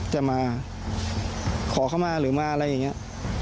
จะมาขอเข้ามาหรือมาอะไรอย่างนี้